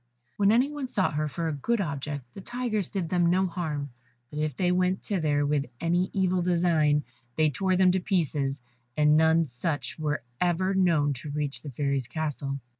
When any one sought her for a good object, the tigers did them no harm, but if they went thither with any evil design, they tore them to pieces, and none such were ever known to reach the Fairy's castle.